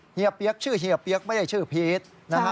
เฮียเปี๊ยกชื่อเฮียเปี๊ยกไม่ได้ชื่อพีช